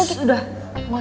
nggak usah lebay ya bel